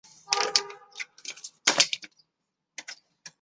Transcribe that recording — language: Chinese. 之后不久一文亦停止铸造。